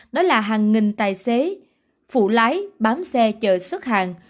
đó là hàng nghìn tài xế phụ lái bám xe chờ xuất hàng